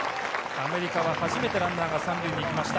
アメリカは初めてランナーが３塁に行きました。